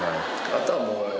あとはもう。